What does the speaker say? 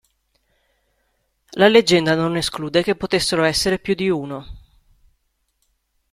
La leggenda non esclude che potessero essere più di uno.